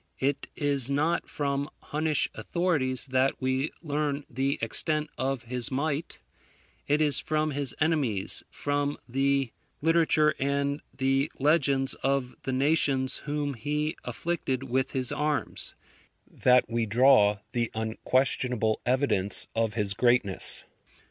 It is not from Hunnish authorities that we learn the extent of his might: It is from his enemies, from the literature and the legends of the nations whom he afflicted with his arms, that we draw the unquestionable evidence of his greatness.